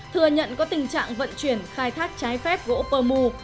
thừa nhận có tình trạng vận chuyển khai thác trái phép gỗ bờ mù